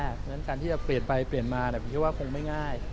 เพราะฉะนั้นการที่จะเปลี่ยนไปเปลี่ยนมาผมคิดว่าคงไม่ง่าย